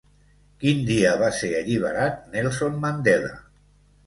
Quin dia va ser alliberat Nelson Mandela?